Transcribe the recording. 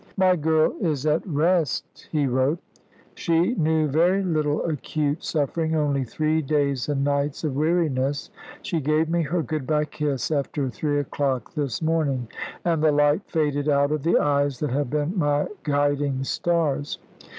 "My girl is at rest," he wrote. "She knew very little acute suffering, only three days and nights of weariness. She gave me her good bye kiss after three o'clock this morning, and the light faded out of the eyes that have been my guiding stars.